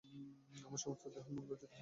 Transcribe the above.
আমার সমস্ত দেহমন লজ্জিত হয়ে ওঠে।